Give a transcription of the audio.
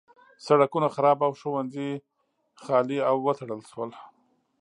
سړکونه خراب او ښوونځي خالي او وتړل شول.